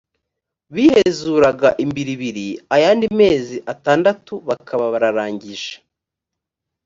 bihezuraga imbiribiri ayandi mezi atandatu bakaba bararangije